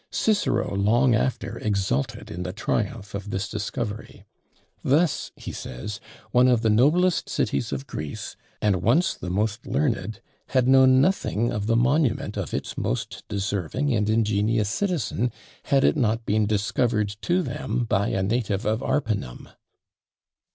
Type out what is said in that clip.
Cicero long after exulted in the triumph of this discovery. "Thus!" he says, "one of the noblest cities of Greece, and once the most learned, had known nothing of the monument of its most deserving and ingenious citizen, had it not been discovered to them by a native of Arpinum!"